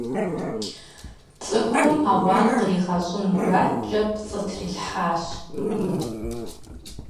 ЦӀыхухэм ауан къаригъэщӀын мурадкӀэ пцӏы трилъхьащ.